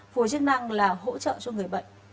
phù hợp chức năng là hỗ trợ cho người bệnh